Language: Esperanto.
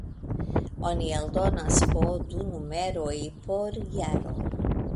Oni eldonas po du numeroj por jaro.